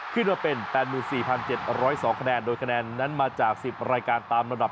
ขึ้นมาเป็น๘๔๗๐๒คะแนนโดยคะแนนนั้นมาจาก๑๐รายการตามระดับ